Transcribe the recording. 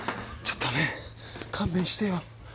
ちょっとね勘弁してよ